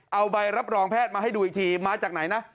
เอาใบรับรองแพทย์มาให้ดูอีกทีมาจากไหนนะ